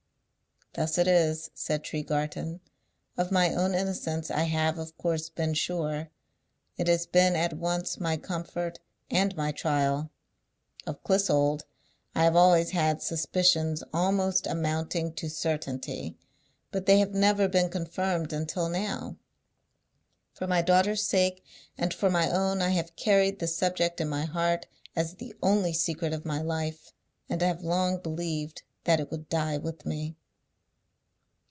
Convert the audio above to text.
"Thus it is," said Tregarthen. "Of my own innocence I have of course been sure; it has been at once my comfort and my trial. Of Clissold I have always had suspicions almost amounting to certainty; but they have never been confirmed until now. For my daughter's sake and for my own I have carried this subject in my own heart, as the only secret of my life, and have long believed that it would die with me."